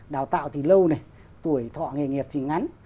đào tạo thì lâu này tuổi thọ nghề nghiệp thì ngắn